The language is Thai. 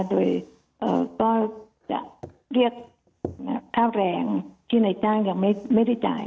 โดยเอ่อก็จะเรียกนะฮะค่าแรงที่ในจ้างยังไม่ได้จ่าย